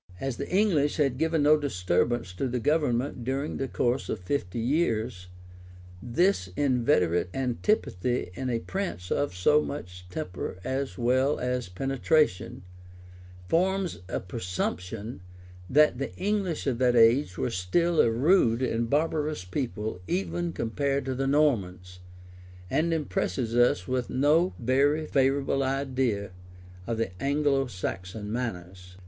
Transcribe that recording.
[] As the English had given no disturbance to the government during the course of fifty years, this inveterate antipathy in a prince of so much temper as well as penetration, forms a presumption that the English of that age were still a rude and barbarous people even compared to the Normans, and impresses us with no very favorable idea of the Anglo Saxon manners.